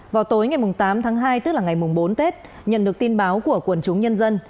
vào tối ngày tám tháng hai tức là ngày bốn tết nhận được tin báo của quần chúng nhân dân